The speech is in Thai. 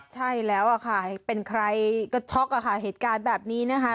ใช่แล้วค่ะเป็นใครก็ช็อกอะค่ะเหตุการณ์แบบนี้นะคะ